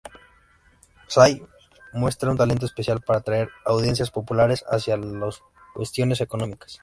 Say muestra un talento especial para atraer audiencias populares hacia las cuestiones económicas.